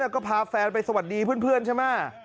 ก็พาแฟนไปสวัสดีเพื่อนใช่ไหม